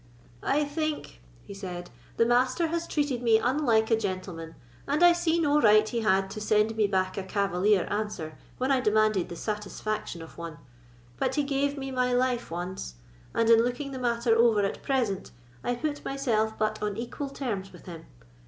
"I think," he said, "the Master has treated me unlike a gentleman, and I see no right he had to send me back a cavalier answer when I demanded the satisfaction of one. But he gave me my life once; and, in looking the matter over at present, I put myself but on equal terms with him.